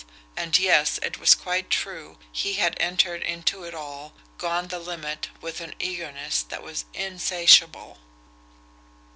And, yes, it was quite true, he had entered into it all, gone the limit, with an eagerness that was insatiable.